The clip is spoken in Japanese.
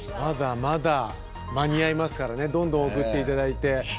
まだまだ間に合いますからねどんどん送って頂いて。